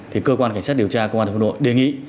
thì cơ quan cảnh sát điều tra cơ quan thành phố nội đề nghị